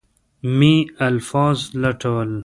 مې الفاظ لټول.